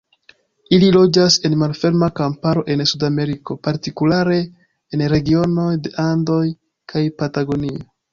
Ili loĝas en malferma kamparo en Sudameriko, partikulare en regionoj de Andoj kaj Patagonio.